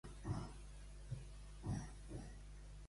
Qui és el primer ministre britànic?